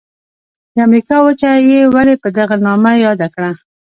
د امریکا وچه یې ولي په دغه نامه یاده کړه؟